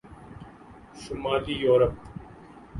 شمالی یورپ